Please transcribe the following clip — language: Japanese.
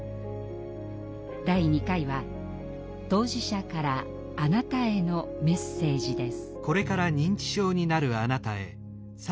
第２回は当事者からあなたへのメッセージです。